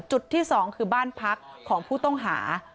จุดที่๒คือบ้านพักของผู้ต้องหา